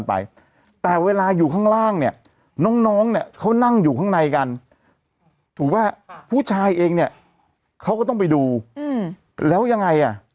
เพราะว่าพี่ขับรถไปหาผู้หญิงคนหนึ่ง